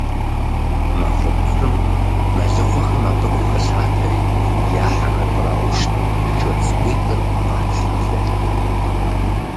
Махуэ гуэрым мэлыхъуэхэм абыхэм гу къылъатэри, я хьэхэр къраушт, шыр цӀыкӀуитӀыр къатхьэлэ.